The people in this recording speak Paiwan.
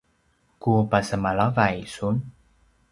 ku pasemalavay sun